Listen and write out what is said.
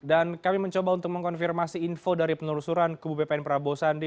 dan kami mencoba untuk mengkonfirmasi info dari penelusuran kub bpn prabowo sandi